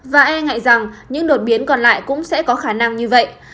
và e ngại rằng những đột biến còn lại cũng sẽ có khả năng như vậy